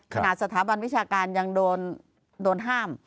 สถาบันวิชาการยังโดนห้าม